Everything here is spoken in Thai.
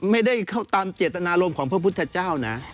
ไม่ได้เข้าตามเจตนารมณ์ของพระพุทธเจ้านะ